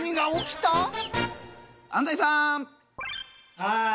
はい。